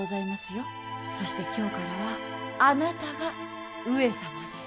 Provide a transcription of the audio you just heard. そして今日からはあなたが上様です。